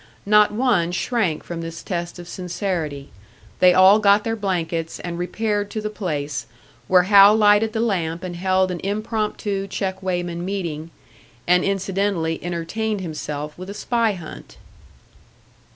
Not one shrank from this test of sincerity; they all got their blankets, and repaired to the place, where Hal lighted the lamp and held an impromptu check weighman meeting and incidentally entertained himself with a spy hunt!